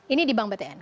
ini di bank btn